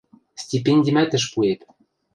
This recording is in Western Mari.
Стипендимӓт ӹш пуэп.